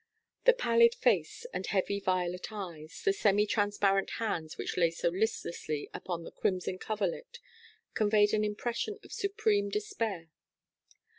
The pallid face and heavy violet eyes, the semi transparent hands which lay so listlessly upon the crimson coverlet, conveyed an impression of supreme despair.